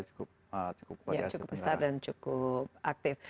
cukup besar dan cukup aktif